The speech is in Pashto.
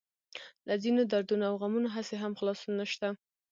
له ځينو دردونو او غمونو هسې هم خلاصون نشته.